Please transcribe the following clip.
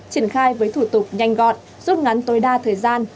triển khai với thủ tục nhanh gọn rút ngắn tối đa thời gian